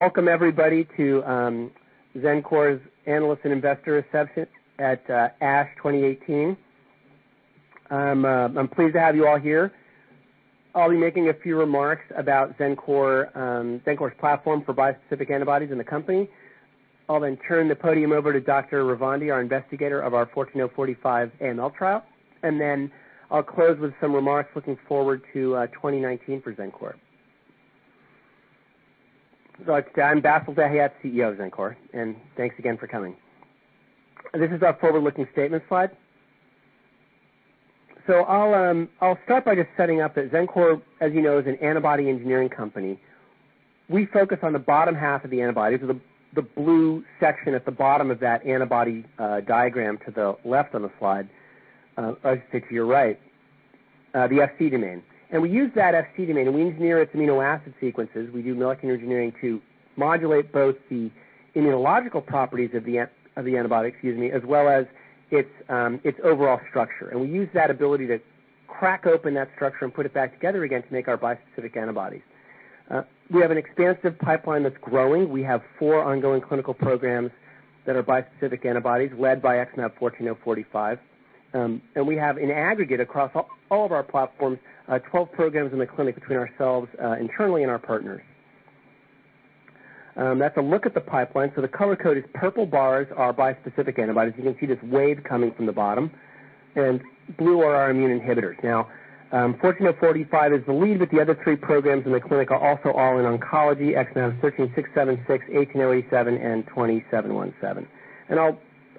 Welcome, everybody to Xencor's Analyst and Investor Reception at ASH 2018. I'm pleased to have you all here. I'll be making a few remarks about Xencor's platform for bispecific antibodies in the company. I'll then turn the podium over to Dr. Ravandi, our investigator of our XmAb14045 AML Trial, and then I'll close with some remarks, looking forward to 2019 for Xencor. I'm Bassil Dahiyat, CEO of Xencor, and thanks again for coming. This is our forward-looking statement slide. I'll start by just setting up that Xencor, as you know, is an antibody engineering company. We focus on the bottom half of the antibody. This is the blue section at the bottom of that antibody diagram to the left on the slide, or I should say to your right, the Fc domain. We use that Fc domain, and we engineer its amino acid sequences. We do molecular engineering to modulate both the immunological properties of the antibody, excuse me, as well as its overall structure. We use that ability to crack open that structure and put it back together again to make our bispecific antibodies. We have an expansive pipeline that's growing. We have four ongoing clinical programs that are bispecific antibodies led by XmAb14045. We have, in aggregate across all of our platforms, 12 programs in the clinic between ourselves internally and our partners. Let's have a look at the pipeline. The color code is purple bars are bispecific antibodies. You can see this wave coming from the bottom, and blue are our immune inhibitors. Now, XmAb14045 is the lead, but the other three programs in the clinic are also all in oncology: XmAb13676, XmAb18087, and XmAb20717.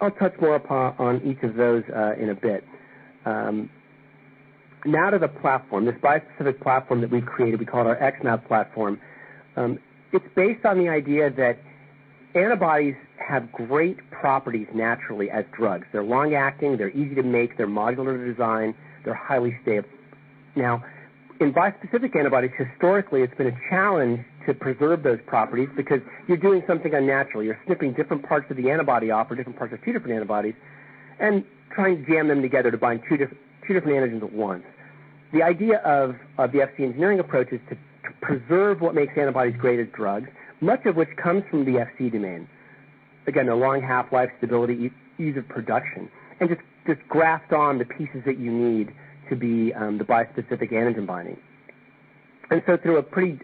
I'll touch more upon each of those in a bit. Now, to the platform, this bispecific platform that we've created, we call it our XmAb platform. It's based on the idea that antibodies have great properties naturally as drugs. They're long-acting, they're easy to make, they're modular design, they're highly stable. Now, in bispecific antibodies, historically, it's been a challenge to preserve those properties because you're doing something unnatural. You're snipping different parts of the antibody off or different parts of two different antibodies and trying to jam them together to bind two different antigens at once. The idea of the Fc engineering approach is to preserve what makes antibodies great as drugs, much of which comes from the Fc domain. Again, their long half-life, stability, ease of production, and just graft on the pieces that you need to be the bispecific antigen binding. Through a pretty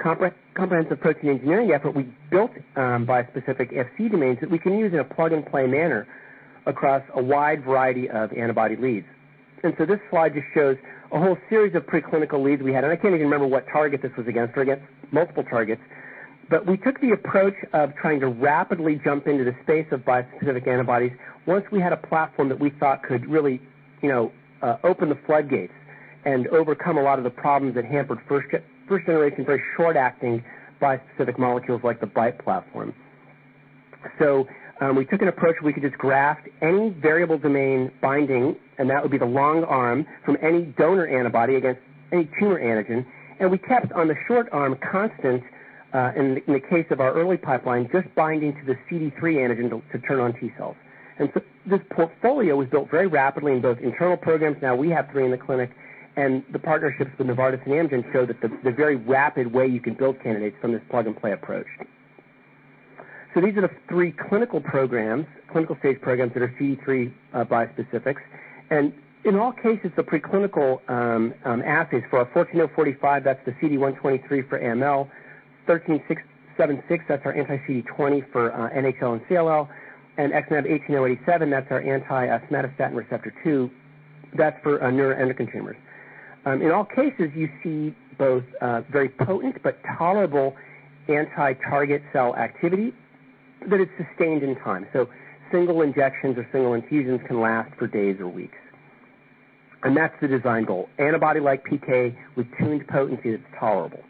comprehensive protein engineering effort, we built bispecific Fc domains that we can use in a plug-and-play manner across a wide variety of antibody leads. This slide just shows a whole series of preclinical leads we had. I can't even remember what target this was against, or against multiple targets. We took the approach of trying to rapidly jump into the space of bispecific antibodies once we had a platform that we thought could really open the floodgates and overcome a lot of the problems that hampered first-generation, very short-acting bispecific molecules like the BiTE platform. We took an approach we could just graft any variable domain binding, and that would be the long arm from any donor antibody against any tumor antigen. We kept on the short arm constant, in the case of our early pipeline, just binding to the CD3 antigen to turn on T cells. This portfolio was built very rapidly in both internal programs. We have three in the clinic, and the partnerships with Novartis and Amgen show the very rapid way you can build candidates from this plug-and-play approach. These are the three clinical-stage programs that are CD3 bispecifics. In all cases, the preclinical assays for our XmAb14045, that's the CD123 for AML, XmAb13676, that's our anti-CD20 for NHL and CLL, and XmAb18087, that's our anti-somatostatin receptor 2. That's for neuroendocrine tumors. In all cases, you see both very potent but tolerable anti-target cell activity, but it's sustained in time. Single injections or single infusions can last for days or weeks. That's the design goal. Antibody-like PK with tuned potency that's tolerable.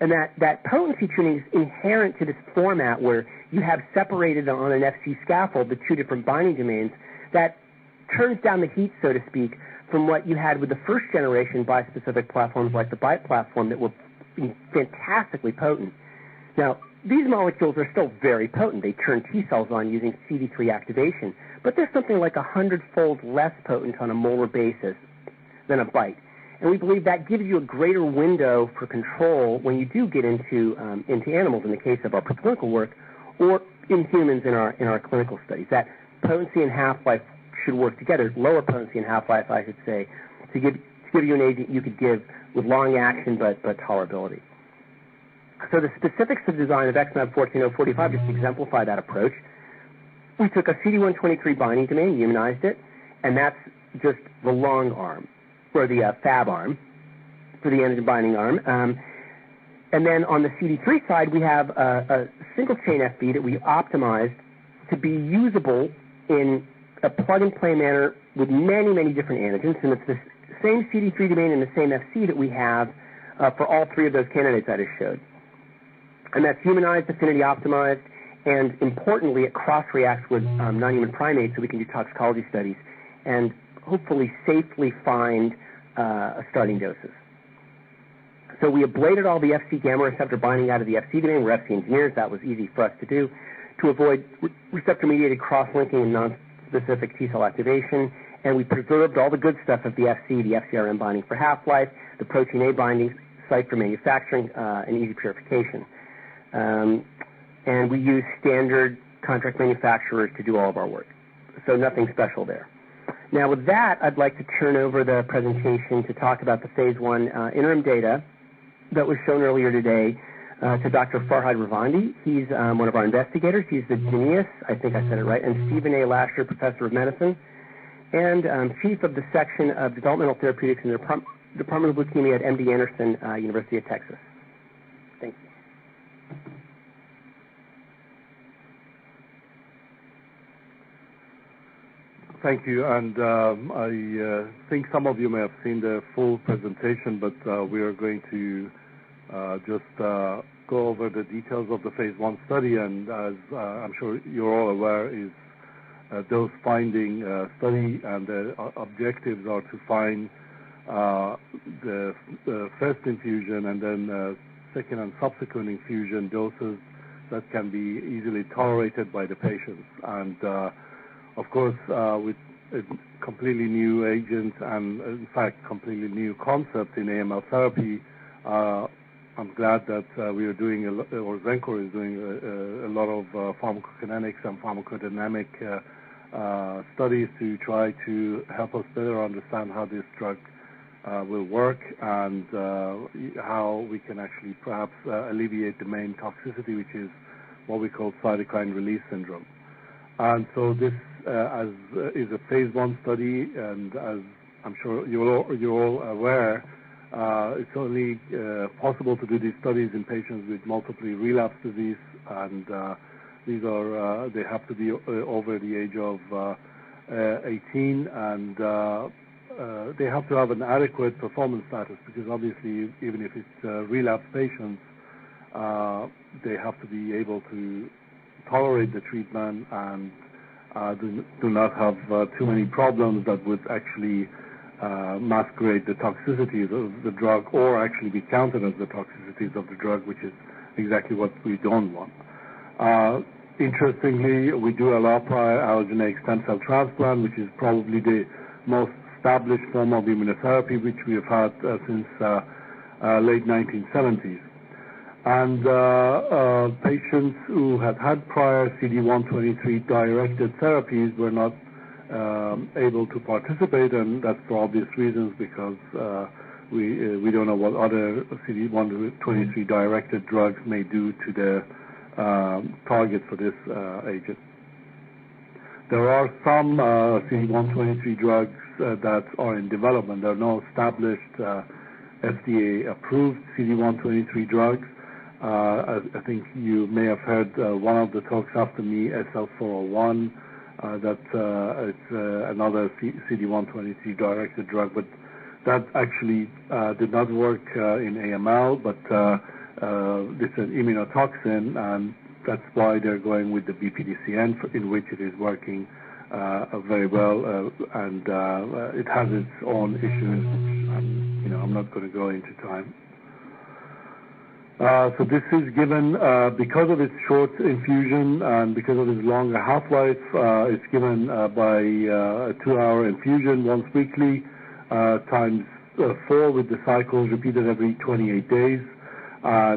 That potency tuning is inherent to this format, where you have separated on an Fc scaffold, the two different binding domains that turns down the heat, so to speak, from what you had with the first-generation bispecific platforms like the BiTE platform that were fantastically potent. These molecules are still very potent. They turn T cells on using CD3 activation. But they're something like 100-fold less potent on a molar basis than a BiTE. We believe that gives you a greater window for control when you do get into animals, in the case of our preclinical work, or in humans in our clinical studies. That potency and half-life should work together. Lower potency and half-life, I should say, to give you an agent you could give with long action but tolerability. The specifics of design of XmAb14045 just exemplify that approach. We took a CD123 binding domain, humanized it, and that's just the long arm or the Fab arm for the antigen-binding arm. Then on the CD3 side, we have a single-chain Fv that we optimized to be usable in a plug-and-play manner with many, many different antigens, and it's the same CD3 domain and the same Fc that we have for all three of those candidates that I showed. That's humanized, affinity optimized, and importantly, it cross-reacts with non-human primates, so we can do toxicology studies and hopefully safely find a starting dosage. We ablated all the Fc gamma receptor binding out of the Fc domain. We're Fc engineers. That was easy for us to do to avoid receptor-mediated cross-linking and non-specific T-cell activation. We preserved all the good stuff of the Fc, the FcRn binding for half-life, the protein A binding site for manufacturing, and easy purification. We use standard contract manufacturers to do all of our work. Nothing special there. With that, I'd like to turn over the presentation to talk about the phase I interim data that was shown earlier today to Dr. Farhad Ravandi. He's one of our investigators. He's the Janiece, I think I said it right, and Stephen A. Lasher Professor of Medicine, and Chief of the Section of Developmental Therapeutics in the Department of Leukemia, MD Anderson Cancer Center, University of Texas. Thank you. Thank you. I think some of you may have seen the full presentation. We are going to just go over the details of the phase I study. As I'm sure you're all aware, is dose-finding study, and the objectives are to find the first infusion and then second and subsequent infusion doses that can be easily tolerated by the patients. Of course, with a completely new agent and in fact, completely new concept in AML therapy, I'm glad that we are doing, or Xencor is doing a lot of pharmacokinetics and pharmacodynamic studies to try to help us better understand how this drug will work, and how we can actually perhaps alleviate the main toxicity, which is what we call cytokine release syndrome. This is a phase I study, as I'm sure you're all aware, it's only possible to do these studies in patients with multiple relapse disease. They have to be over the age of 18, and they have to have an adequate performance status because obviously, even if it's relapse patients, they have to be able to tolerate the treatment and do not have too many problems that would actually masquerade the toxicities of the drug, or actually be counted as the toxicities of the drug, which is exactly what we don't want. Interestingly, we do allow prior allogeneic stem cell transplant, which is probably the most established form of immunotherapy, which we have had since late 1970s. Patients who have had prior CD123-directed therapies were not able to participate, that's for obvious reasons, because we don't know what other CD123-directed drugs may do to the target for this agent. There are some CD123 drugs that are in development. There are no established FDA-approved CD123 drugs. I think you may have heard one of the talks after me, SL-401, that it's another CD123-directed drug, but that actually did not work in AML. This is an immunotoxin, and that's why they're going with the BPDCN, in which it is working very well. It has its own issues, which I'm not going to go into time. This is given because of its short infusion and because of its longer half-life; it's given by a two-hour infusion once weekly, times four, with the cycles repeated every 28 days. I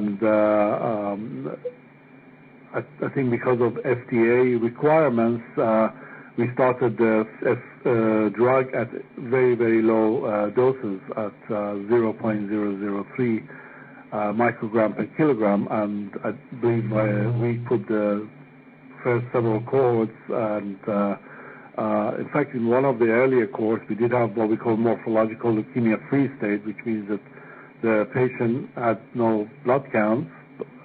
think because of FDA requirements, we started the drug at very low doses at 0.003 µg/kg. I believe we put the first several cohorts, and in fact, in one of the earlier cohorts, we did have what we call morphological leukemia-free state, which means that the patient had no blood counts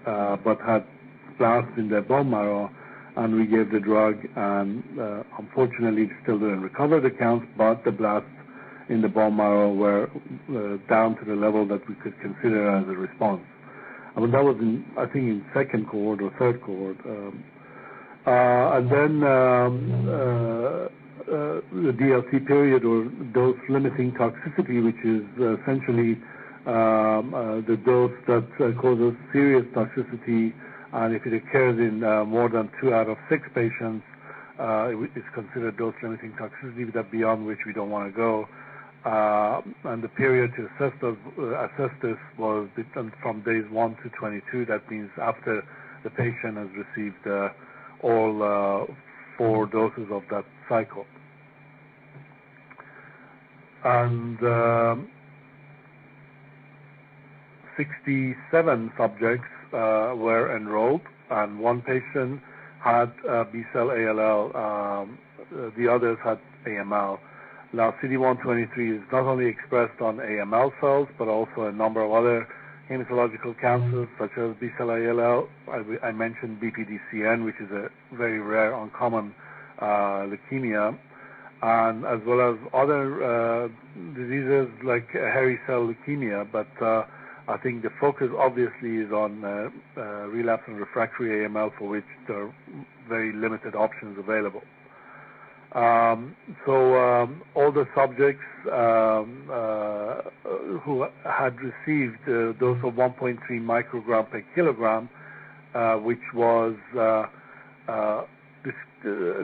but had blasts in their bone marrow. We gave the drug, and unfortunately, still didn't recover the counts, but the blasts in the bone marrow were down to the level that we could consider as a response. That was in, I think, in second cohort or third cohort. The DLT period, or dose-limiting toxicity, which is essentially the dose that causes serious toxicity, and if it occurs in more than two out of six patients, it's considered dose-limiting toxicity, that beyond which we don't want to go. The period to assess this was different from days 1-22. That means after the patient has received all four doses of that cycle. 67 subjects were enrolled, and one patient had B-cell ALL. The others had AML. CD123 is not only expressed on AML cells but also a number of other hematological cancers, such as B-cell ALL. I mentioned BPDCN, which is a very rare, uncommon leukemia, and as well as other diseases like hairy cell leukemia. I think the focus obviously is on relapse and refractory AML, for which there are very limited options available. All the subjects who had received a dose of 1.3 µg/kg, which was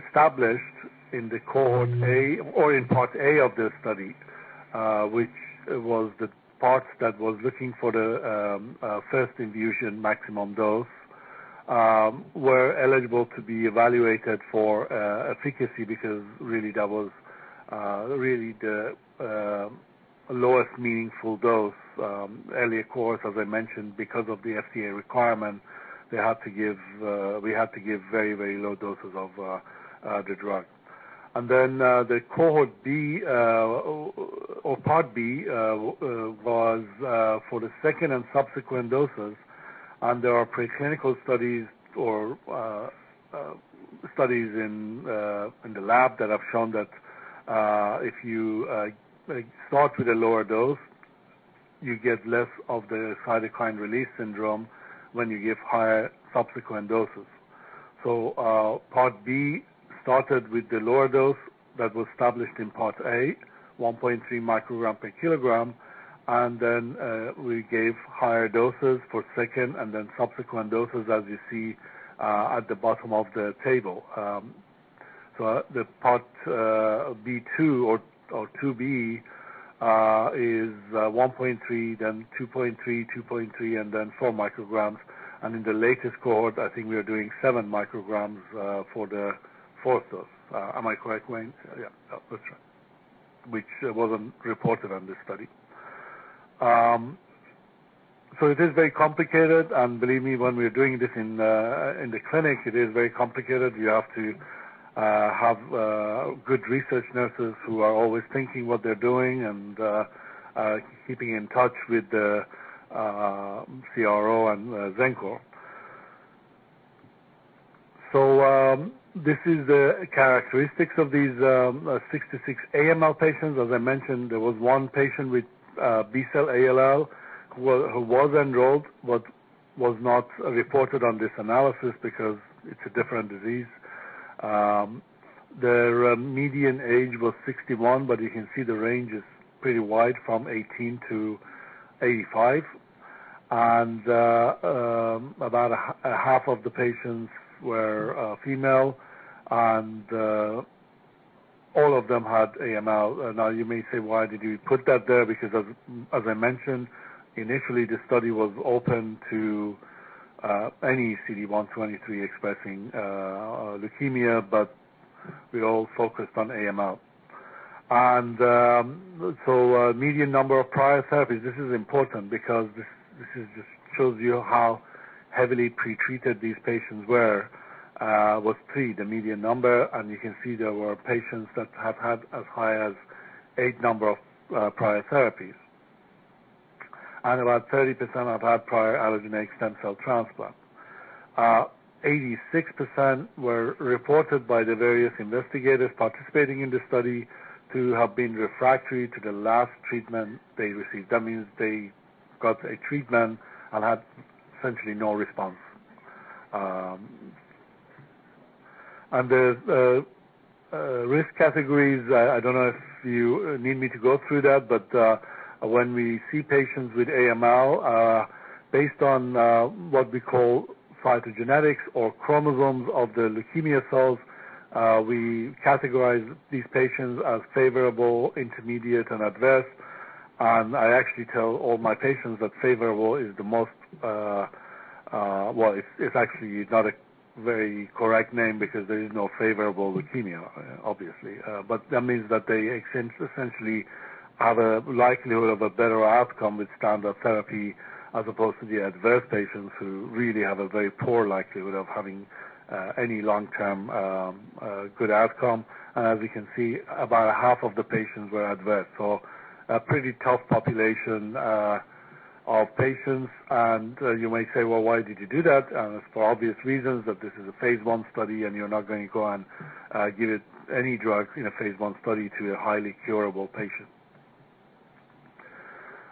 established in the Cohort A or in Part A of this study, which was the part that was looking for the first infusion maximum dose were eligible to be evaluated for efficacy because really that was the lowest meaningful dose. Earlier cohorts, as I mentioned, because of the FDA requirement, we had to give very low doses of the drug. The Cohort B or Part B was for the second and subsequent doses, and there are preclinical studies or studies in the lab that have shown that if you start with a lower dose, you get less of the cytokine release syndrome when you give higher subsequent doses. Part B started with the lower dose that was established in Part A, 1.3 µg/kg, and then we gave higher doses for second and then subsequent doses, as you see at the bottom of the table. The Part B.2 or 2B is 1.3 µg, then 2.3 µg, 2.3 µg, and then 4 µg, and in the latest cohort, I think we are doing 7 µg for the fourth dose. Am I correct, Wayne? Yeah. That's right. Which wasn't reported on this study. It is very complicated, and believe me, when we're doing this in the clinic, it is very complicated. We have to have good research nurses who are always thinking what they're doing and keeping in touch with the CRO and Xencor. These are the characteristics of these 66 AML patients. As I mentioned, there was one patient with B-cell ALL who was enrolled but was not reported on this analysis because it's a different disease. Their median age was 61 years, but you can see the range is pretty wide, from 18-85 years old. About 50% of the patients were female, and all of them had AML. You may say, "Why did you put that there?" Because, as I mentioned, initially, the study was open to any CD123-expressing leukemia, but we all focused on AML. Median number of prior therapies, this is important because this just shows you how heavily pre-treated these patients were, was three, the median number, and you can see there were patients that have had as high as eight number of prior therapies. About 30% have had prior allogeneic stem cell transplant. 86% were reported by the various investigators participating in the study to have been refractory to the last treatment they received. That means they got a treatment and had essentially no response. The risk categories, I don't know if you need me to go through that, but when we see patients with AML, based on what we call cytogenetics or chromosomes of the leukemia cells, we categorize these patients as favorable, intermediate, and adverse. I actually tell all my patients that favorable is the most, well, it's actually not a very correct name because there is no favorable leukemia, obviously. That means that they essentially have a likelihood of a better outcome with standard therapy as opposed to the adverse patients who really have a very poor likelihood of having any long-term good outcome. As we can see, about 50% of the patients were adverse, so a pretty tough population of patients. You may say, "Well, why did you do that?" It's for obvious reasons that this is a phase I study, and you're not going to go and give any drugs in a phase I study to a highly curable patient.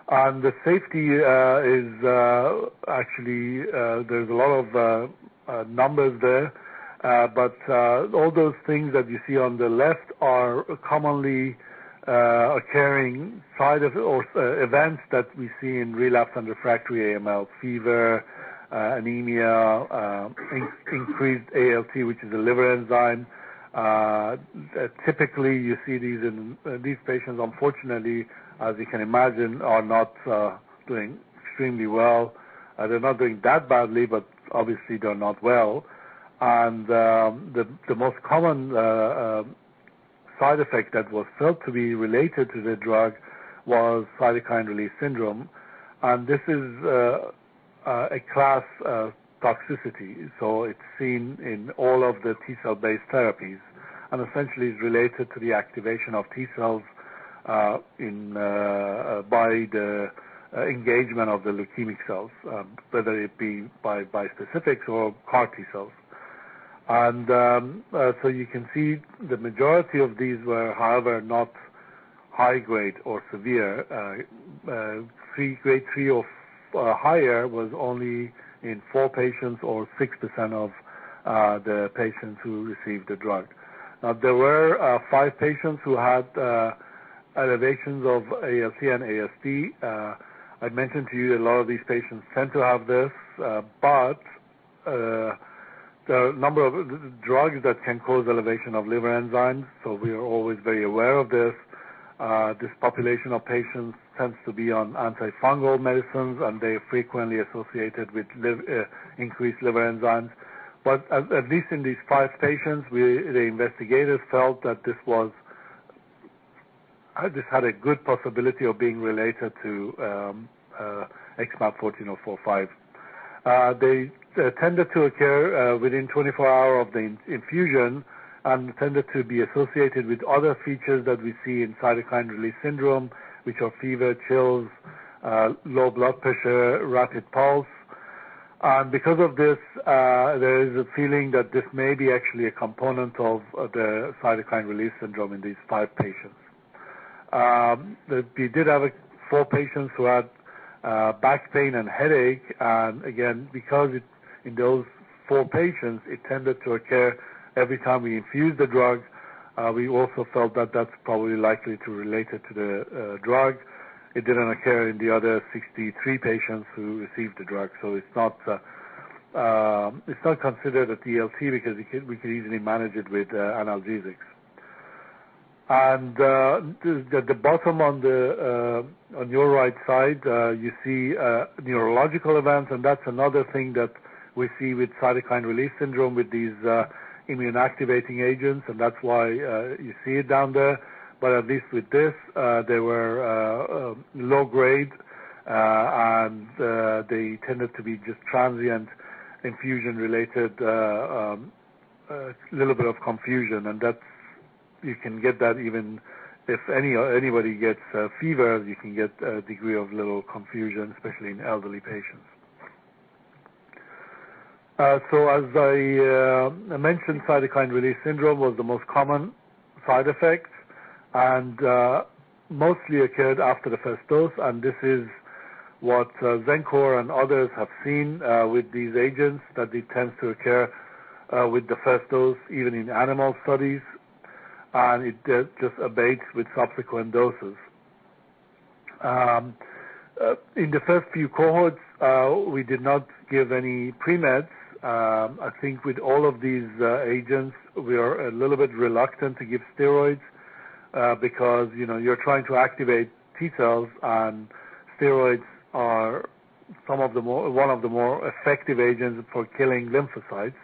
The safety is actually, there's a lot of numbers there. All those things that you see on the left are commonly occurring side effects or events that we see in relapsed and refractory AML: fever, anemia, increased ALT, which is a liver enzyme. Typically, you see these in these patients, unfortunately, as you can imagine, are not doing extremely well. They're not doing that badly, but obviously, they're not well. The most common side effect that was felt to be related to the drug was cytokine release syndrome. This is a class toxicity, so it's seen in all of the T-cell-based therapies and essentially is related to the activation of T-cells by the engagement of the leukemic cells, whether it be by bispecifics or CAR T cells. You can see the majority of these were, however, not high grade or severe. Grade 3 or higher was only in four patients, or 6% of the patients who received the drug. Now, there were five patients who had elevations of ALT and AST. I mentioned to you a lot of these patients tend to have this, but the number of drugs that can cause elevation of liver enzymes, so we are always very aware of this. This population of patients tends to be on antifungal medicines, they are frequently associated with increased liver enzymes. At least in these five patients, the investigators felt that this had a good possibility of being related to XmAb14045. They tended to occur within 24 hours of the infusion and tended to be associated with other features that we see in cytokine release syndrome, which are fever, chills, low blood pressure, rapid pulse. Because of this, there is a feeling that this may be actually a component of the cytokine release syndrome in these five patients. We did have four patients who had back pain and headache, and again, because in those four patients it tended to occur every time we infused the drug, we also felt that that's probably likely related to the drug. It didn't occur in the other 63 patients who received the drug. It's not considered a DLT because we could easily manage it with analgesics. At the bottom, on your right side, you see neurological events, and that's another thing that we see with cytokine release syndrome with these immune-activating agents. That's why you see it down there. At least with this, they were low grade, and they tended to be just transient infusion related, a little bit of confusion. You can get that even if anybody gets a fever, you can get a degree of little confusion, especially in elderly patients. As I mentioned, cytokine release syndrome was the most common side effect and mostly occurred after the first dose. This is what Xencor and others have seen with these agents: that it tends to occur with the first dose, even in animal studies, and it just abates with subsequent doses. In the first few cohorts, we did not give any pre-meds. I think with all of these agents, we are a little bit reluctant to give steroids because you're trying to activate T cells, and steroids are one of the more effective agents for killing lymphocytes.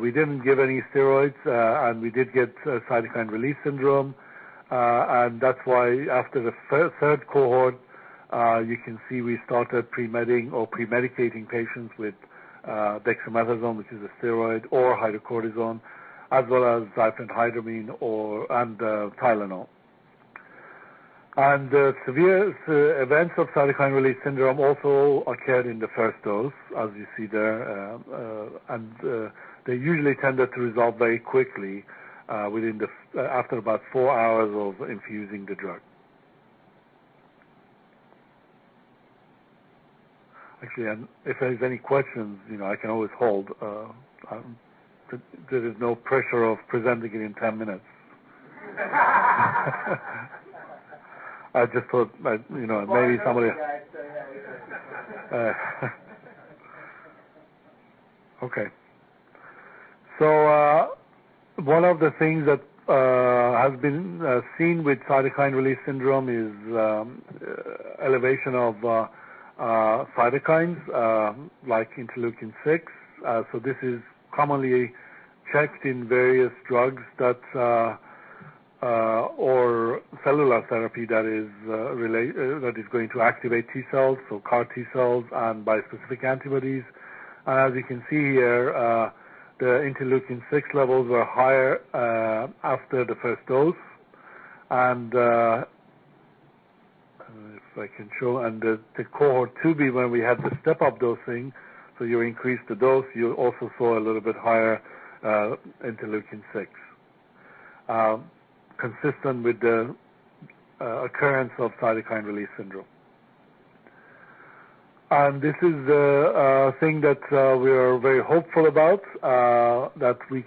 We didn't give any steroids, and we did get cytokine release syndrome. That's why after the third cohort, you can see we started pre-medding or pre-medicating patients with dexamethasone, which is a steroid or hydrocortisone, as well as diphenhydramine and/or TYLENOL. Severe events of cytokine release syndrome also occurred in the first dose, as you see there. They usually tended to resolve very quickly after about four hours of infusing the drug. Actually, if there's any questions, I can always hold. There is no pressure of presenting it in 10 minutes. I just thought, you know, he told me. Okay. One of the things that has been seen with cytokine release syndrome is elevation of cytokines like interleukin-6. This is commonly checked in various drugs or cellular therapy that is going to activate T cells, CAR T cells, and bispecific antibodies. As you can see here, the interleukin-6 levels are higher after the first dose. If I can show, under the Cohort 2B, where we had the step-up dosing, you increase the dose, you also saw a little bit higher interleukin-6, consistent with the occurrence of cytokine release syndrome. This is a thing that we are very hopeful about, that we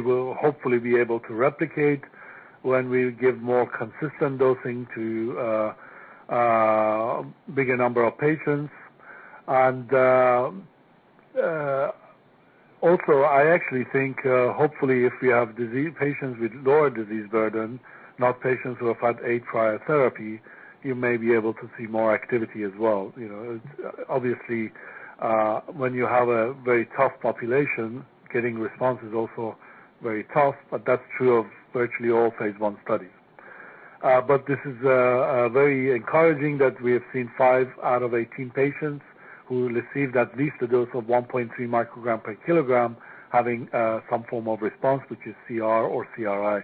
will hopefully be able to replicate when we give more consistent dosing to a bigger number of patients. Also, I actually think, hopefully, if we have patients with lower disease burden, not patients who have had eight prior therapies, you may be able to see more activity as well. Obviously, when you have a very tough population, getting response is also very tough, but that's true of virtually all phase I studies. This is very encouraging that we have seen five out of 18 patients who received at least a dose of 1.3 µg/kg having some form of response, which is CR or CRI.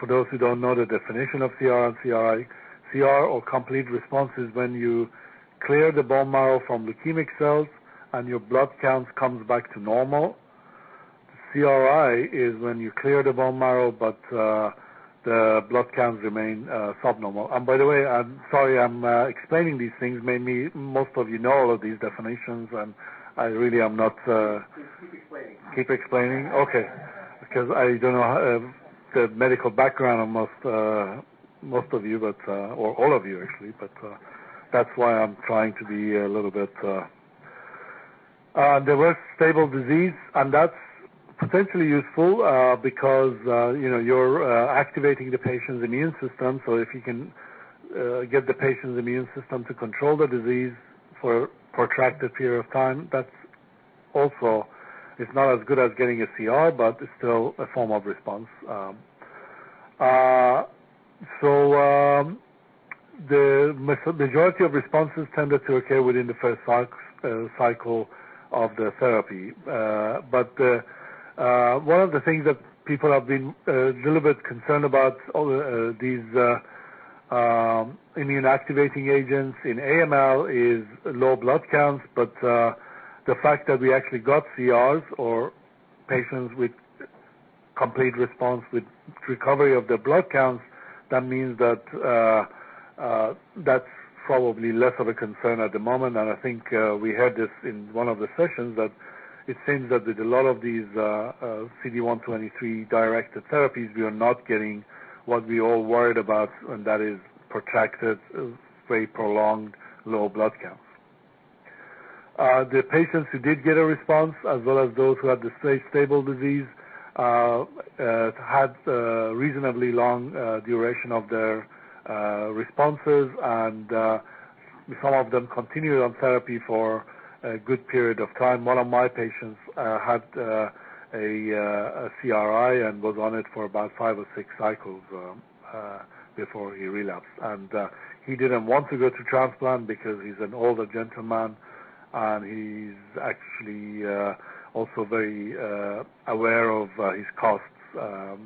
For those who don't know the definition of CR and CRi, CR or complete response is when you clear the bone marrow from leukemic cells, and your blood counts come back to normal. CRi is when you clear the bone marrow, but the blood counts remain subnormal. By the way, I'm sorry I'm explaining these things. Maybe most of you know all of these definitions. I really am not. Please keep explaining. Keep explaining? Okay. Because I don't know the medical background of most of you, all of you, actually. That's why I'm trying to be a little bit. There was stable disease, and that's potentially useful because you're activating the patient's immune system. If you can get the patient's immune system to control the disease for a protracted period of time, that's also not as good as getting a CR, but it's still a form of response. The majority of responses tended to occur within the first cycle of the therapy. One of the things that people have been a little bit concerned about all these immune-activating agents in AML, is low blood counts. The fact that we actually got CRS or patients with complete response with recovery of their blood counts, that means that's probably less of a concern at the moment. I think we had this in one of the sessions, that it seems that with a lot of these CD123-directed therapies, we are not getting what we all worried about, and that is protracted, very prolonged low blood counts. The patients who did get a response, as well as those who had the stable disease, had reasonably long durations of their responses, and some of them continued on therapy for a good period of time. One of my patients had a CRi and was on it for about five or six cycles before he relapsed. He didn't want to go to transplant because he's an older gentleman, and he's actually also very aware of his costs. The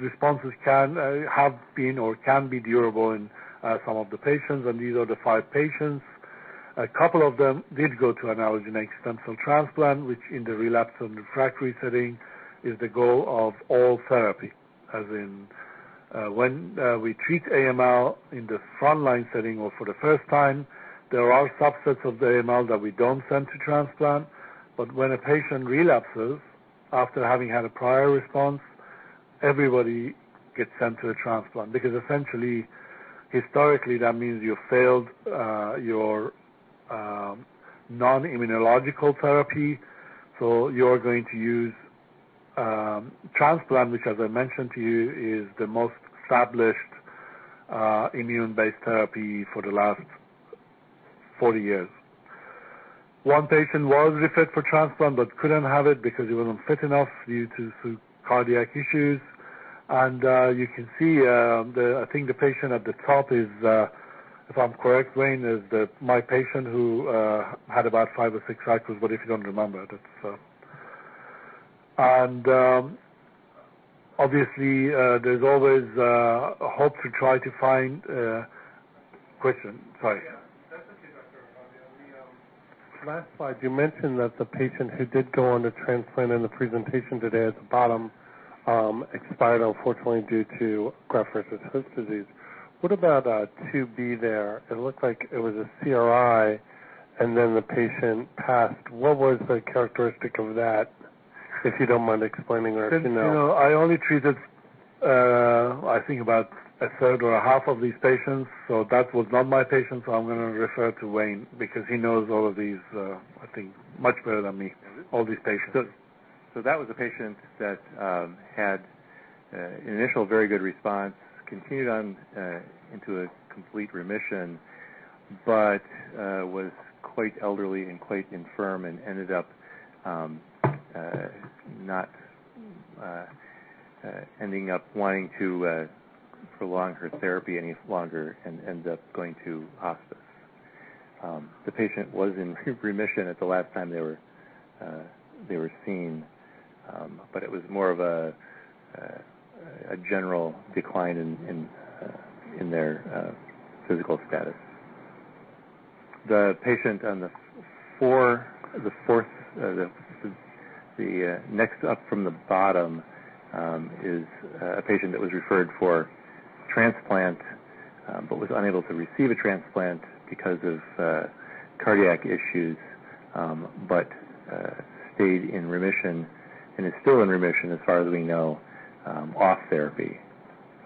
responses have been or can be durable in some of the patients, and these are the five patients. A couple of them did go to an allogeneic stem cell transplant, which in the relapsed and refractory setting is the goal of all therapy. As in, when we treat AML in the frontline setting or for the first time, there are subsets of the AML that we don't send to transplant. When a patient relapses after having had a prior response, everybody gets sent to a transplant. Essentially, historically, that means you failed your non-immunological therapy. You're going to use transplant, which, as I mentioned to you, is the most established immune-based therapy for the last 40 years. One patient was referred for transplant but couldn't have it because he wasn't fit enough due to cardiac issues. You can see, I think the patient at the top is, if I'm correct, Wayne, is my patient who had about five or six cycles, but if you don't remember, that's. Obviously, there's always a hope to try to find Question. Sorry. Yeah. That's okay, Dr. Ravandi. The last slide, you mentioned that the patient who did go on to transplant in the presentation today at the bottom expired, unfortunately, due to graft-versus-host disease. What about 2b there? It looked like it was a CRi, and then the patient passed. What was the characteristic of that, if you don't mind explaining, or if you know? I only treated, I think, about 33% or 50% of these patients. That was not my patient. I am going to refer to Wayne because he knows all of these, I think, much better than me. Okay. All these patients. That was a patient that had an initial very good response, continued on into a complete remission, but was quite elderly and quite infirm, and ended up not ending up wanting to prolong her therapy any longer and ended up going to hospice. The patient was in remission at the last time they were seen, but it was more of a general decline in their physical status. The patient on the fourth, the next up from the bottom, is a patient that was referred for transplant but was unable to receive a transplant because of cardiac issues, but stayed in remission and is still in remission as far as we know, off therapy.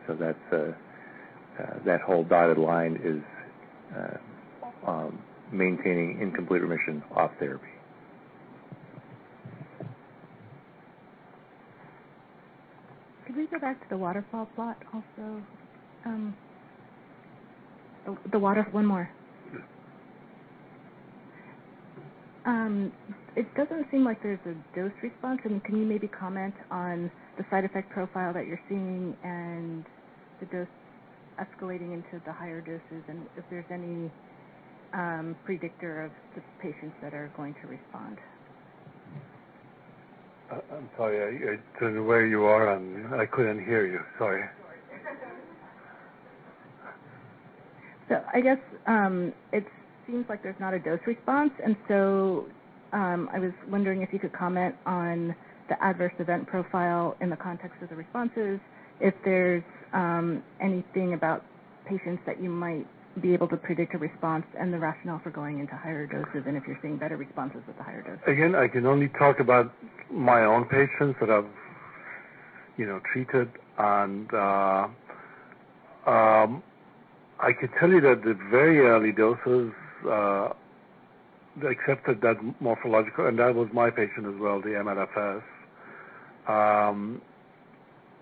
That whole dotted line is maintained in complete remission off therapy. Could we go back to the waterfall plot also? One more. It doesn't seem like there's a dose response. Can you maybe comment on the side effect profile that you're seeing and the dose escalating into the higher doses, and if there's any predictor of the patients that are going to respond? I'm sorry. Because of where you are, I couldn't hear you. Sorry. Sorry. I guess it seems like there's not a dose response, and so I was wondering if you could comment on the adverse event profile in the context of the responses? If there's anything about patients that you might be able to predict a response, and the rationale for going into higher doses, and if you're seeing better responses with the higher doses? Again, I can only talk about my own patients that I've treated. I could tell you that the very early doses, they accepted that morphological, and that was my patient as well, the MLFS.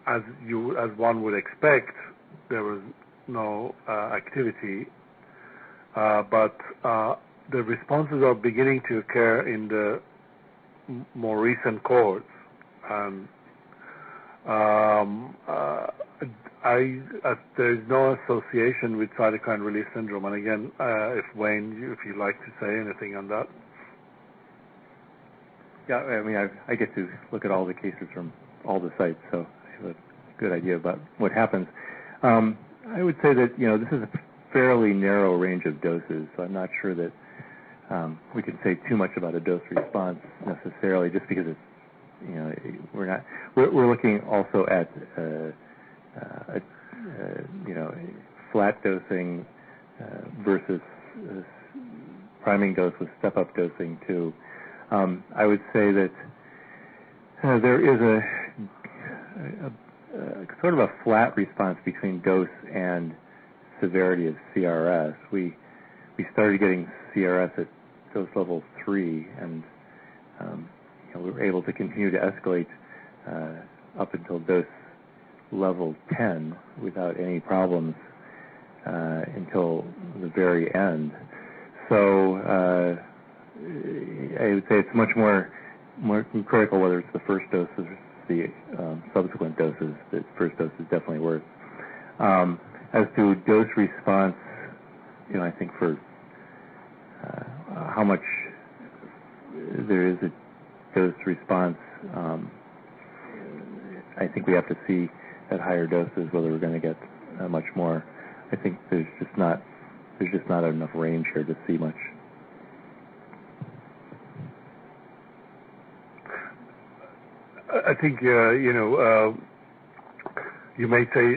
As one would expect, there was no activity. The responses are beginning to occur in the more recent cohorts. There's no association with cytokine release syndrome. Again, if Wayne, if you'd like to say anything on that. Yeah. I get to look at all the cases from all the sites, so I have a good idea about what happens. I would say that this is a fairly narrow range of doses. I'm not sure that we can say too much about a dose response necessarily just because we're looking also at flat dosing versus priming dose with step-up dosing too. I would say that there is a sort of a flat response between dose and severity of CRS. We started getting CRS at dose level 3, and we were able to continue to escalate up until dose level 10 without any problems until the very end. I would say it's much more critical whether it's the first dose or the subsequent doses. The first dose is definitely worse. As to dose response, I think for how much there is a dose response, I think we have to see at higher doses whether we're going to get much more. I think there's just not enough range here to see much. I think you may say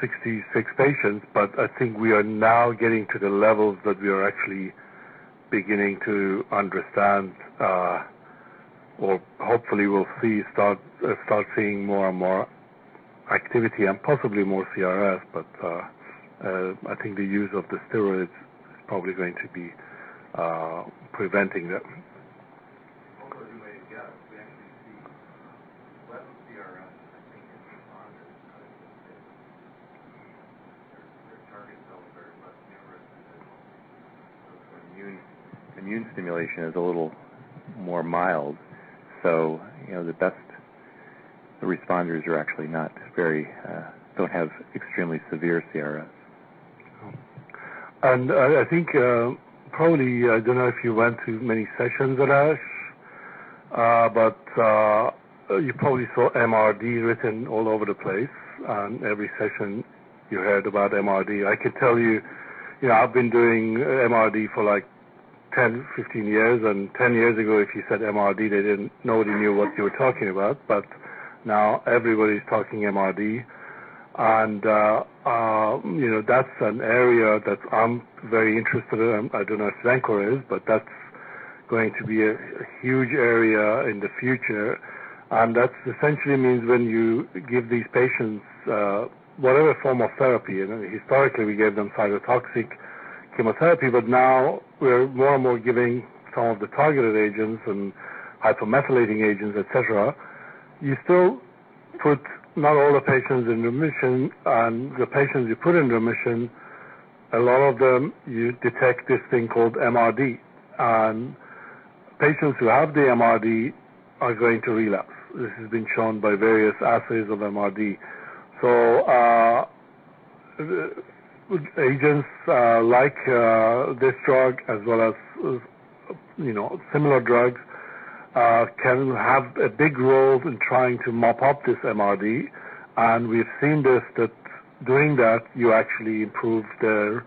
66 patients. I think we are now getting to the levels that we are actually beginning to understand, or hopefully start seeing more and more activity and possibly more CRS. I think the use of the steroids is probably going to be preventing that. Well, as you may have guessed, we actually see less CRS, I think, in responders. I think that their target cells are much numerous than this. The immune stimulation is a little more mild. The best responders are actually don't have extremely severe CRS. I think probably, I don't know if you went to many sessions at ASH, but you probably saw MRD written all over the place. On every session, you heard about MRD. I can tell you I've been doing MRD for 10, 15 years, and 10 years ago, if you said MRD, nobody knew what you were talking about, but now everybody's talking MRD. That's an area that I'm very interested in. I don't know if Xencor is, but that's going to be a huge area in the future. That essentially means when you give these patients whatever form of therapy, historically we gave them cytotoxic chemotherapy, but now we're more and more giving some of the targeted agents and hypomethylating agents, et cetera. You still put not all the patients in remission. The patients you put in remission, a lot of them, you detect this thing called MRD. Patients who have the MRD are going to relapse. This has been shown by various assays of MRD. Agents like this drug, as well as similar drugs, can have a big role in trying to mop up this MRD. We've seen this that doing that, you actually improve the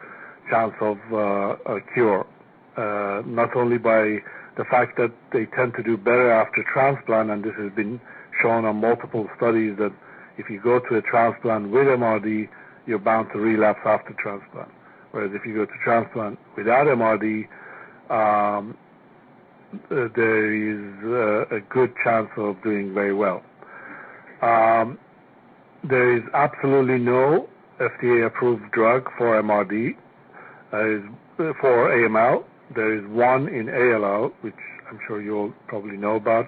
chance of a cure. Not only by the fact that they tend to do better after transplant, and this has been shown on multiple studies that if you go to a transplant with MRD, you're bound to relapse after transplant. Whereas if you go to transplant without MRD, there is a good chance of doing very well. There is absolutely no FDA-approved drug for MRD for AML. There is one in ALL, which I'm sure you all probably know about,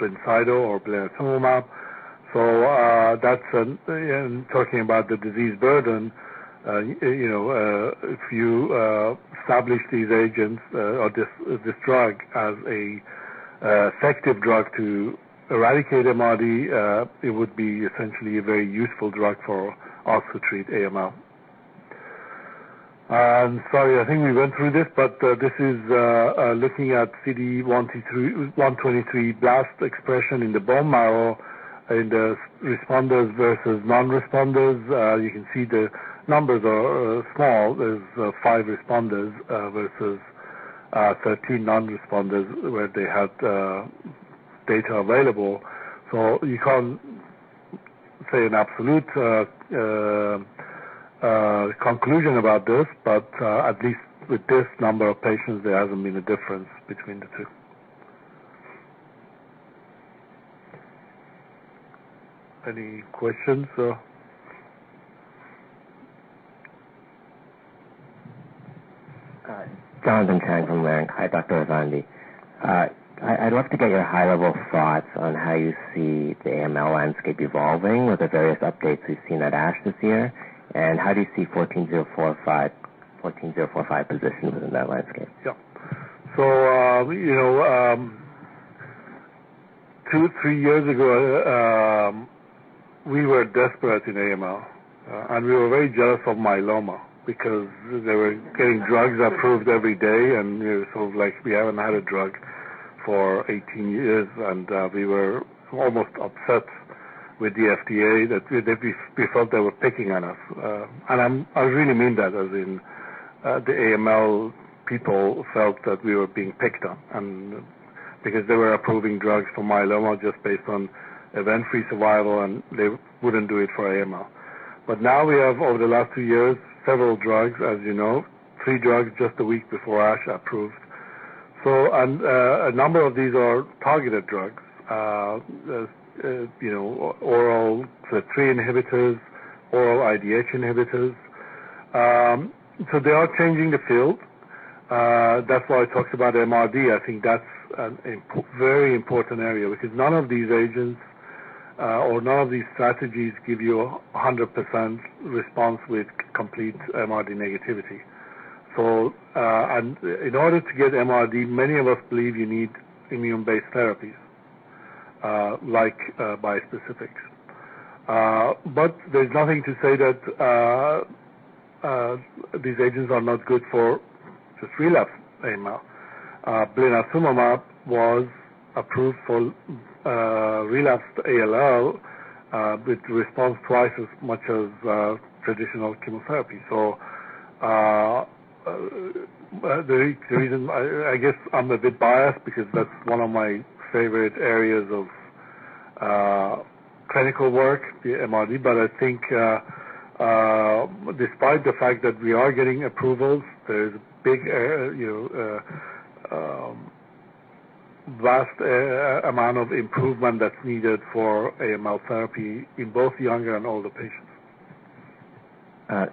BLINCYTO or blinatumomab. Talking about the disease burden, if you establish these agents or this drug as an effective drug to eradicate MRD, it would be essentially a very useful drug for us to treat AML. Sorry, I think we went through this, but this is looking at CD123 blast expression in the bone marrow in the responders versus non-responders. You can see the numbers are small. There are five responders versus 13 non-responders where they had data available. You can't say an absolute conclusion about this, but at least with this number of patients, there hasn't been a difference between the two. Any questions? Jonathan Chang from Leerink. Hi, Dr. Ravandi. I'd love to get your high-level thoughts on how you see the AML landscape evolving with the various updates we've seen at ASH this year, and how do you see XmAb14045 positioned within that landscape? Sure. Two, three years ago, we were desperate in AML, and we were very jealous of myeloma because they were getting drugs approved every day, and it felt like we haven't had a drug for 18 years. We were almost upset with the FDA that we felt they were picking on us. I really mean that, as in the AML people felt that we were being picked on and because they were approving drugs for myeloma just based on event-free survival, and they wouldn't do it for AML. Now we have, over the last two years, several drugs, as you know. Three drugs just a week before ASH approved. A number of these are targeted drugs. Oral FLT3 inhibitors, oral IDH inhibitors. They are changing the field. That's why I talked about MRD. I think that's a very important area because none of these agents or none of these strategies give you 100% response with complete MRD negativity. In order to get MRD, many of us believe you need immune-based therapies, like bispecifics. There's nothing to say that these agents are not good for just relapsed AML. Blinatumomab was approved for relapsed ALL, with response twice as much as traditional chemotherapy. The reason, I guess, I'm a bit biased because that's one of my favorite areas of clinical work, the MRD. I think despite the fact that we are getting approvals, there's big, vast amount of improvement that's needed for AML therapy in both younger and older patients.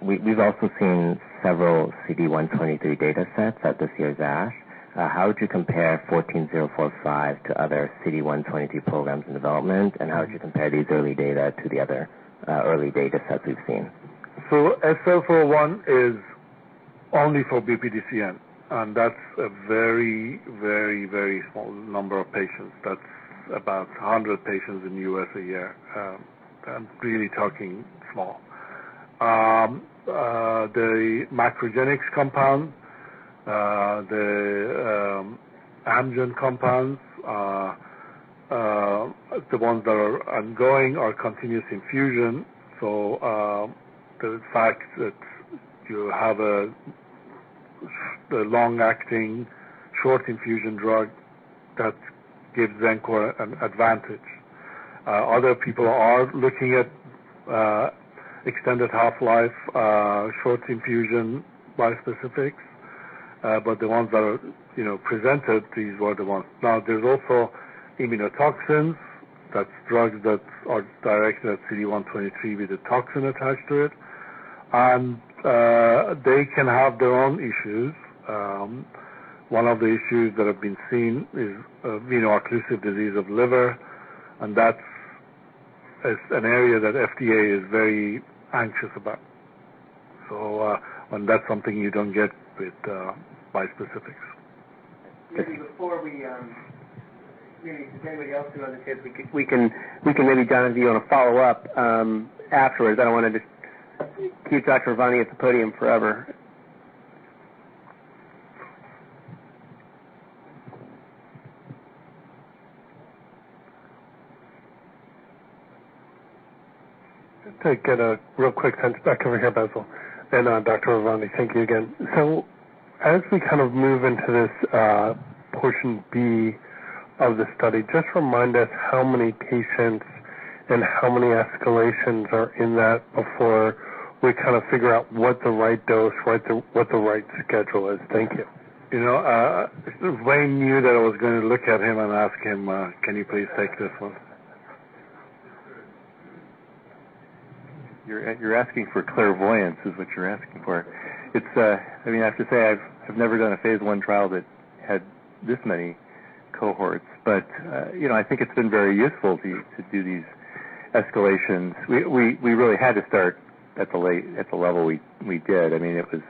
We've also seen several CD123 data sets at this year's ASH. How would you compare XmAb14045 to other CD123 programs in development? How would you compare these early data to the other early data sets we've seen? SL-401 is only for BPDCN, and that's a very small number of patients. That's about 100 patients in the U.S. a year. I'm really talking small. The MacroGenics compound, the Amgen compounds, the ones that are ongoing are continuous infusion. The fact that you have a long-acting, short infusion drug, that gives Xencor an advantage. Other people are looking at extended half-life, short infusion bispecifics. The ones that are presented, these were the ones. Now, there's also immunotoxins. That's drugs that are directed at CD123 with a toxin attached to it. They can have their own issues. One of the issues that have been seen is veno-occlusive disease of liver, and that's an area that FDA is very anxious about. That's something you don't get with bispecifics. Maybe if anybody else who has questions, we can maybe, Jonathan, do you want to follow up afterwards? I don't want to just keep Dr. Ravandi at the podium forever. Just to get a real quick sense. Back over here, Bassil and Dr. Ravandi, thank you again. As we kind of move into this portion B of the study, just remind us how many patients and how many escalations are in that before we kind of figure out what the right dose? What the right schedule is? Thank you. You know, Wayne knew that I was going to look at him and ask him, "Can you please take this one?" You're asking for clairvoyance, that's what you're asking for. I have to say, I've never done a phase I trial that had this many cohorts. I think it's been very useful to do these escalations. We really had to start at the level we did. It was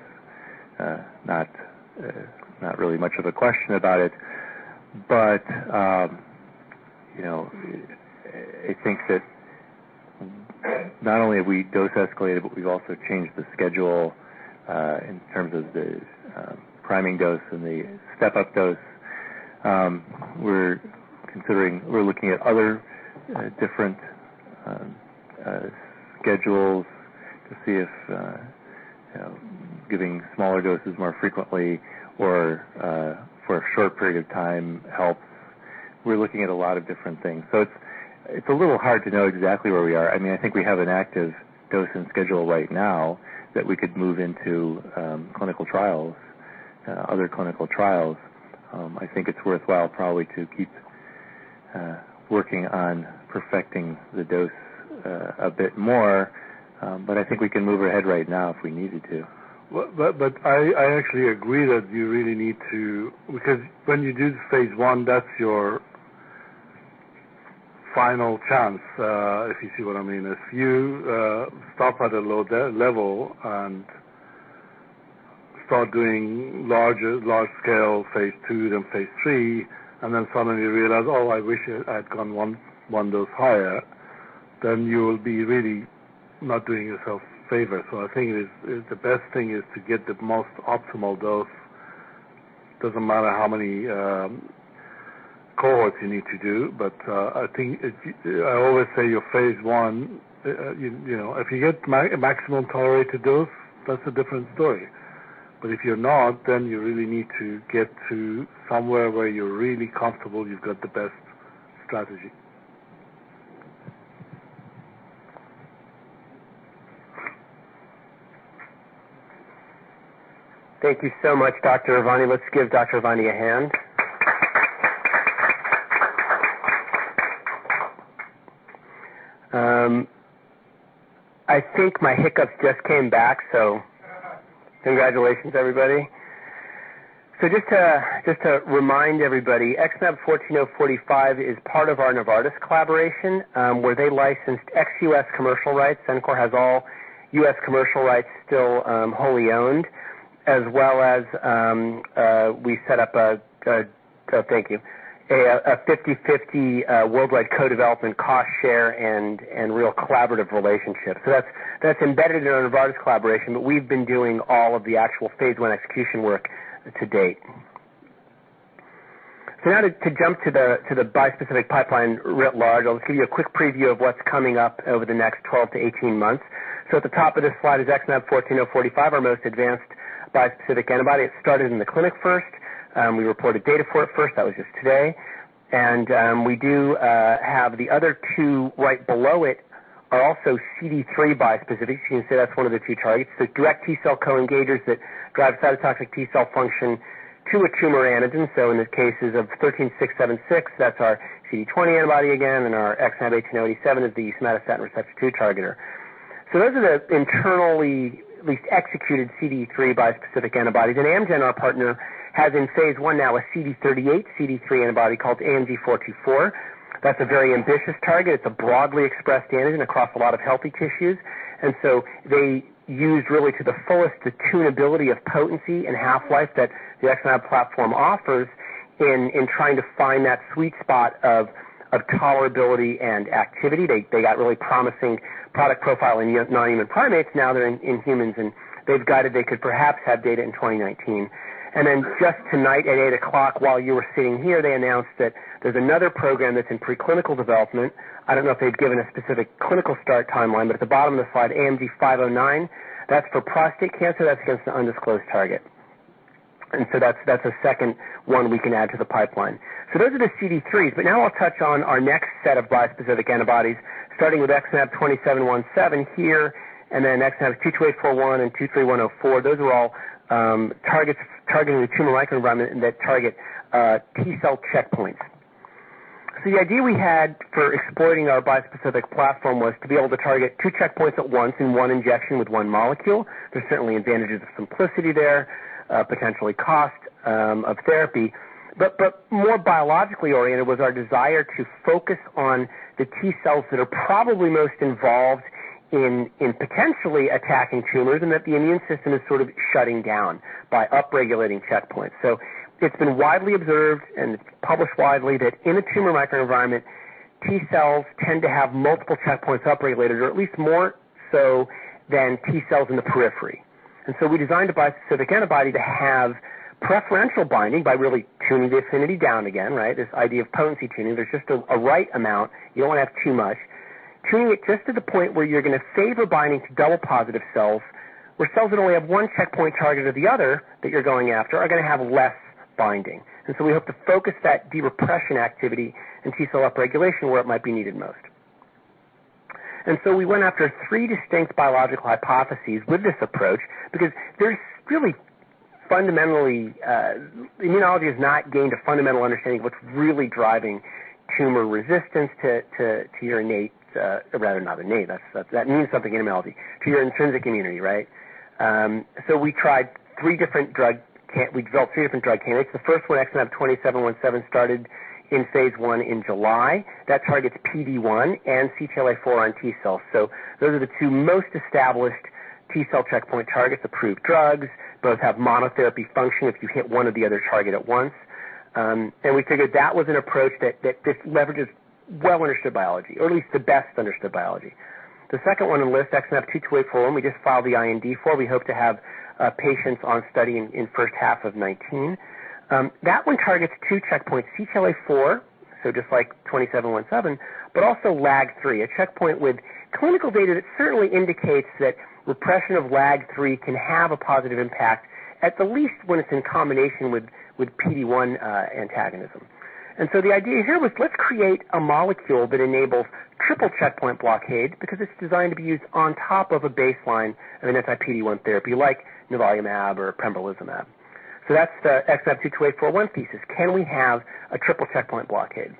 not really much of a question about it. I think that not only have we dose escalated, but we've also changed the schedule in terms of the priming dose and the step-up dose. We're looking at other different schedules to see if giving smaller doses more frequently or for a short period of time helps. We're looking at a lot of different things. It's a little hard to know exactly where we are. I think we have an active dosing schedule right now that we could move into other clinical trials. I think it's worthwhile probably to keep working on perfecting the dose a bit more. I think we can move ahead right now if we needed to. I actually agree that you really need to, because when you do the phase I, that's your final chance, if you see what I mean. If you stop at a low level and start doing large scale phase II, then phase III, then suddenly you realize, "Oh, I wish I'd gone one dose higher," then you'll be really not doing yourself a favor. I think the best thing is to get the most optimal dose. Doesn't matter how many cohorts you need to do, but I always say your phase I, if you get maximum tolerated dose, that's a different story. If you're not, then you really need to get to somewhere where you're really comfortable you've got the best strategy. Thank you so much, Dr. Ravandi. Let's give Dr. Ravandi a hand. I think my hiccups just came back, congratulations, everybody. Just to remind everybody, XmAb14045 is part of our Novartis collaboration, where they licensed ex-U.S. commercial rights. Xencor has all U.S. commercial rights still wholly owned, as well as we set up a, thank you, a 50/50 worldwide co-development cost share and real collaborative relationship. That's embedded in our Novartis collaboration, but we've been doing all of the actual phase I execution work to date. Now, to jump to the bispecific pipeline writ large, I'll give you a quick preview of what's coming up over the next 12-18 months. At the top of this slide is XmAb14045, our most advanced bispecific antibody. It started in the clinic first. We reported data for it first, that was just today. We do have the other two right below it, are also CD3 bispecifics. You can see that's one of the key targets. Direct T-cell co-engagers that drive cytotoxic T-cell function to a tumor antigen. In the cases of XmAb13676, that's our CD20 antibody again, and our XmAb18087 is the somatostatin receptor 2 targeter. Those are the internally, at least, executed CD3 bispecific antibodies. Amgen, our partner, has in phase I now a CD38/CD3 antibody called AMG 424. That's a very ambitious target. It's a broadly expressed antigen across a lot of healthy tissues. They used really to the fullest, the tunability of potency and half-life that the XmAb platform offers in trying to find that sweet spot of tolerability and activity. They got really promising product profile in non-human primates. Now, they're in humans, they've guided, they could perhaps have data in 2019. Just tonight at 8:00 P.M., while you were sitting here, they announced that there's another program that's in preclinical development. I don't know if they've given a specific clinical start timeline, at the bottom of the slide, AMG 509, that's for prostate cancer, that's against an undisclosed target. That's a second one we can add to the pipeline. Those are the CD3, now I'll touch on our next set of bispecific antibodies, starting with XmAb20717 here, XmAb22841 and XmAb23104. Those are all targeting the tumor microenvironment and they target T cell checkpoints. The idea we had for exploiting our bispecific platform was to be able to target two checkpoints at once in one injection with one molecule. There's certainly advantages of simplicity there, potentially cost of therapy. More biologically oriented was our desire to focus on the T cells that are probably most involved in potentially attacking tumors, and that the immune system is sort of shutting down by upregulating checkpoints. It's been widely observed and it's published widely that in a tumor microenvironment, T cells tend to have multiple checkpoints upregulated, or at least more so than T cells in the periphery. We designed a bispecific antibody to have preferential binding by really tuning the affinity down again, right? This idea of potency tuning. There's just a right amount. You don't want to have too much. Tuning it just to the point where you're going to favor binding to double positive cells, where cells that only have one checkpoint target or the other that you're going after are going to have less binding. We hope to focus that derepression activity and T cell upregulation where it might be needed most. We went after three distinct biological hypotheses with this approach because, there's really fundamentally, immunology has not gained a fundamental understanding of what's really driving tumor resistance to your innate, rather not innate, that means something in immunology, to your intrinsic immunity, right? We developed three different drug candidates. The first one, XmAb20717, started in phase I in July. That targets PD-1 and CTLA-4 on T cells. Those are the two most established T cell checkpoint targets, approved drugs, both have monotherapy function if you hit one or the other target at once. We figured that was an approach that leverages well-understood biology, or at least the best understood biology. The second one on the list, XmAb22841, we just filed the IND for, we hope to have patients on study in first half of 2019. That one targets two checkpoints, CTLA-4, just like XmAb20717, also LAG-3, a checkpoint with clinical data that certainly indicates that repression of LAG-3 can have a positive impact, at the least when it's in combination with PD-1 antagonism. The idea here was let's create a molecule that enables triple checkpoint blockade because it's designed to be used on top of a baseline of an anti-PD-1 therapy like nivolumab or pembrolizumab. That's the XmAb22841 thesis. Can we have a triple checkpoint blockade?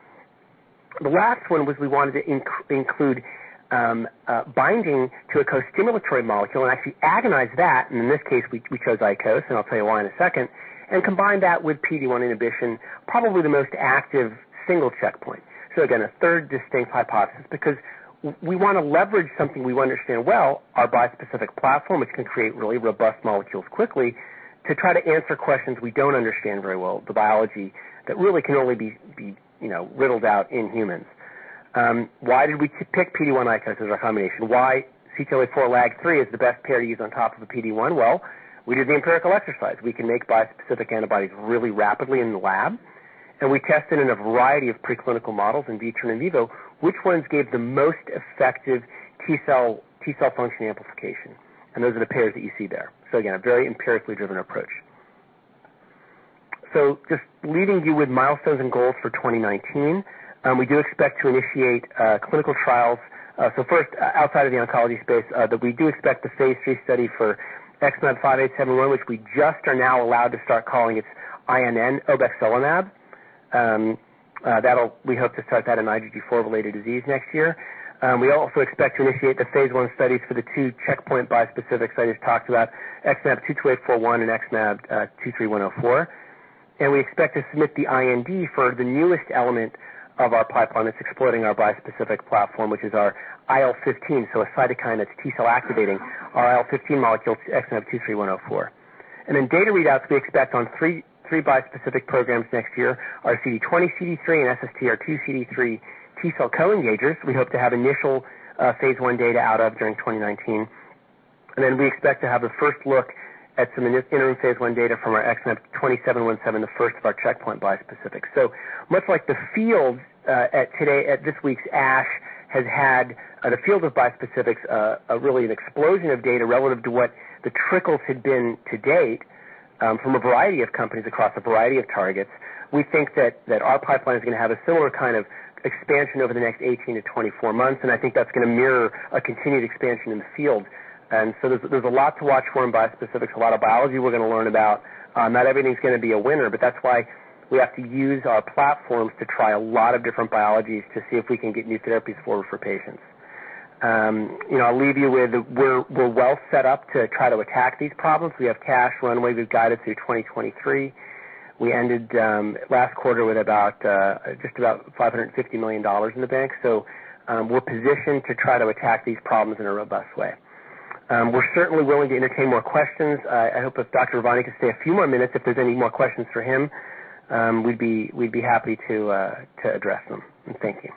The last one was we wanted to include binding to a costimulatory molecule and actually agonize that, and in this case, we chose ICOS, and I'll tell you why in a second, and combine that with PD-1 inhibition, probably the most active single checkpoint. A third distinct hypothesis because we want to leverage something we understand well, our bispecific platform, which can create really robust molecules quickly, to try to answer questions we don't understand very well, the biology that really can only be riddled out in humans. Why did we pick PD-1/ICOS as our combination? Why CTLA-4/LAG-3 is the best pair to use on top of the PD-1? Well, we did the empirical exercise. We can make bispecific antibodies really rapidly in the lab, and we tested in a variety of preclinical models in vitro and in vivo, which ones gave the most effective T cell function amplification. Those are the pairs that you see there. Just leaving you with milestones and goals for 2019. We do expect to initiate clinical trials. First, outside of the oncology space, that we do expect the phase III study for XmAb5871, which we just are now allowed to start calling its INN obexelimab. We hope to start that in IgG4-related disease next year. We also expect to initiate the phase I studies for the two checkpoint bispecifics I just talked about, XmAb22841 and XmAb23104. We expect to submit the IND for the newest element of our pipeline that's exploiting our bispecific platform, which is our IL-15, a cytokine that's T cell activating, our IL-15 molecule XmAb23106. Data readouts we expect on three bispecific programs next year are CD20/CD3 and SSTR2/CD3 T cell co-engagers we hope to have initial phase I data out of during 2019. We expect to have a first look at some interim phase I data from our XmAb20717, the first of our checkpoint bispecifics. The field at this week's ASH had had the field of bispecifics, really an explosion of data relative to what the trickles had been to date from a variety of companies across a variety of targets. We think that our pipeline is going to have a similar kind of expansion over the next 18-24 months, and I think that's going to mirror a continued expansion in the field. There's a lot to watch for in bispecifics, a lot of biology we're going to learn about. Not everything's going to be a winner; that's why we have to use our platforms to try a lot of different biologies to see if we can get new therapies forward for patients. I'll leave you with we're well set up to try to attack these problems. We have cash runway that's guided through 2023. We ended last quarter with just about $550 million in the bank, we're positioned to try to attack these problems in a robust way. We're certainly willing to entertain more questions. I hope Dr. Ravandi can stay a few more minutes if there's any more questions for him. We'd be happy to address them. Thank you.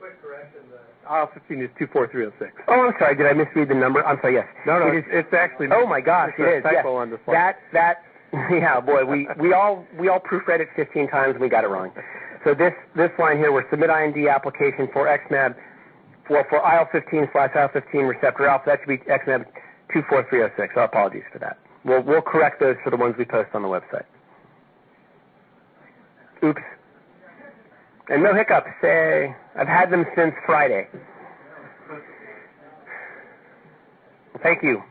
Quick correction. IL-15 is XmAb24306. I'm sorry, did I misread the number? I'm sorry. Yes. No, it's actually. Oh my gosh, yes. It's respective on the slide. Yeah. Boy, we all proofread it 15 times. We got it wrong. This line here, we'll submit IND application for IL-15/IL-15 receptor alpha, that should be XmAb24306. Our apologies for that. We'll correct those for the ones we post on the website. Oops. No hiccups today. I've had them since Friday. Thank you.